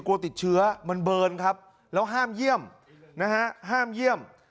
กลัวติดเชื้อมันเบิร์นครับแล้วห้ามเยี่ยมนะฮะห้ามเยี่ยม